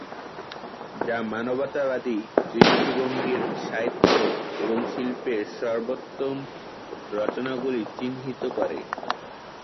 যা মানবতাবাদী দৃষ্টিভঙ্গির সাহিত্য এবং শিল্পের সর্বোত্তম রচনাগুলি চিহ্নিত করে।